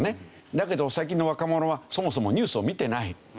だけど最近の若者はそもそもニュースを見てない。